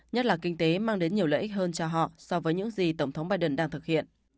nhất là kinh tế mang đến nhiều lợi ích hơn cho họ so với những gì tổng thống biden đang thực hiện